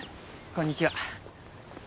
こんにちは。